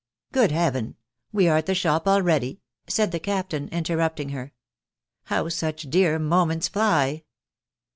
"Good Heaven! .... we are at the shop already?" said the Captain, interrupting her Ct How such dear mo ments fly!'